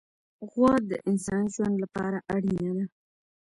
غوا د انساني ژوند لپاره اړینه ده.